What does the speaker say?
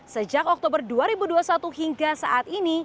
sejak oktober dua ribu dua puluh satu hingga saat ini